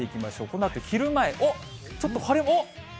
このあと、昼前、ちょっと晴れ。